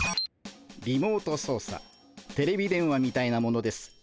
リモート操作テレビ電話みたいなものです。